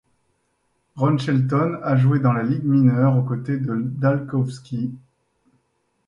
Ron Shelton a joué dans la ligue mineure aux côtés de Dalkowski.